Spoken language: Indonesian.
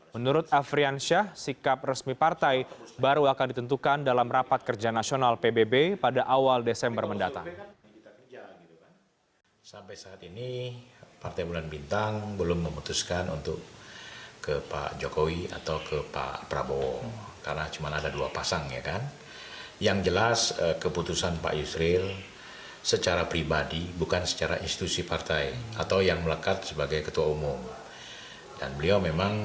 menurut afriansyah sikap resmi partai baru akan ditentukan dalam rapat kerja nasional pbb pada awal desember mendatang